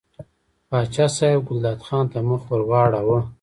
پاچا صاحب ګلداد خان ته مخ ور واړاوه.